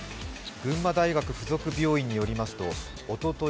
群馬大学附属病院によりますとおととい